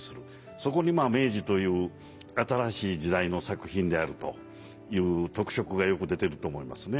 そこに明治という新しい時代の作品であるという特色がよく出てると思いますね。